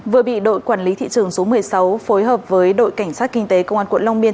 vừa bị đội quản lý thị trường số một mươi sáu phối hợp với đội cảnh sát kinh tế công an quận long biên